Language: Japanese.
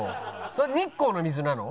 それ日光の水なの？